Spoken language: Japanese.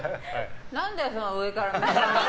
何だよその上から目線！